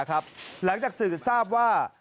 หลังจากสืบทราบว่า